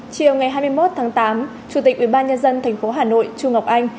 chiều ngày hai mươi một tháng tám chủ tịch ủy ban nhân dân tp hcm trung ngọc anh